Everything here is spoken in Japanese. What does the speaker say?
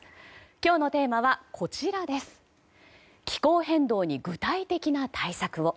今日のテーマは気候変動に具体的な対策を。